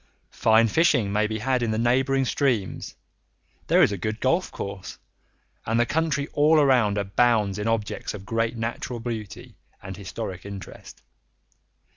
Fine fishing may be had in the neighbouring streams, there is a good golf course, and the country all around abounds in objects of great natural beauty and historic interest.